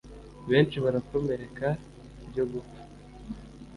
benshi barakomereka byo gupfa